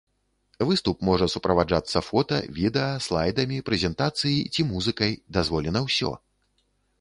Выступ можа суправаджацца фота, відэа, слайдамі прэзентацыі ці музыкай, дазволена ўсё.